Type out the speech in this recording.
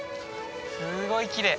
すごいきれい。